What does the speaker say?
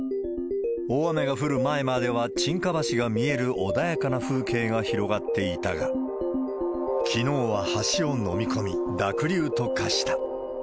大雨が降る前までは、沈下橋が見える穏やかな風景が広がっていたが、きのうは橋をのみこみ、濁流と化した。